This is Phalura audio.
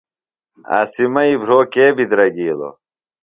عاصمئی بھرو کے بِدرگِیلوۡ؟